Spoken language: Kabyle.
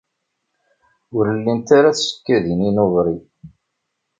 Ur llint ara tsekkadin-inu ɣer-i.